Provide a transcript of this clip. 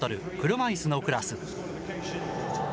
車いすのクラス。